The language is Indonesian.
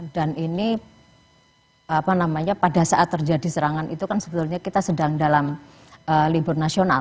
dan ini pada saat terjadi serangan itu kan sebetulnya kita sedang dalam libur nasional